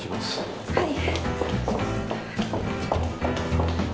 はい。